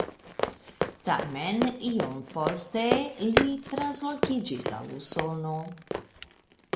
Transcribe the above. Tamen iom poste li translokiĝis al Usono.